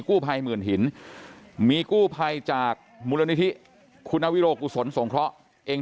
กู้ภัยหมื่นหินมีกู้ภัยจากมูลนิธิคุณอวิโรกุศลสงเคราะห์เอง